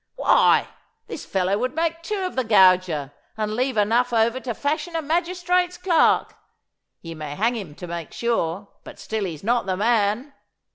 'Why, this fellow would make two of the gauger, and leave enough over to fashion a magistrate's clerk. Ye may hang him to make sure, but still he's not the man.